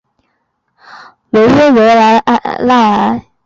维耶维莱赖埃。